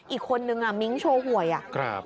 อีกคนนึงอ่ะมิ้งโชว์หวยอ่ะ